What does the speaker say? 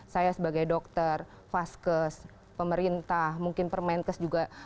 saya sebagai dokter faskes pemerintah mungkin permenkes juga